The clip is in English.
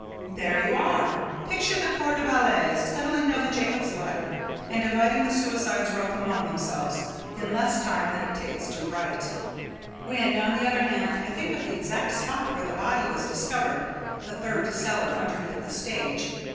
There you are! Picture the corps de ballet scuttling down the Jacob's ladder and dividing the suicide's rope among themselves in less time than it takes to write! When, on the other hand, I think of the exact spot where the body was discovered the third cellar underneath the stage!